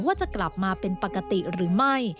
ว่าจะกลับมาเป็นปกติหรือไม่